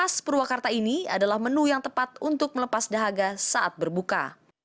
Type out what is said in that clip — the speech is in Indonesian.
dan menurut saya es campur khas purwakarta ini adalah menu yang tepat untuk melepas dahaga saat berbuka